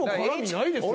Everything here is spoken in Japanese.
ないですよ。